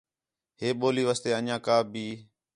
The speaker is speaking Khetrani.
ہِے ٻولی واسطے انڄیاں کا بھی